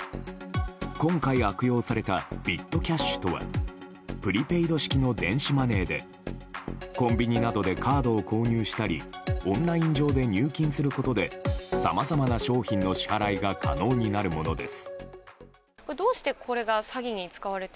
今回、悪用されたビットキャッシュとはプリペイド式の電子マネーでコンビニなどでカードを購入したりオンライン上で入金することでさまざまな商品の支払いが可能になるものです。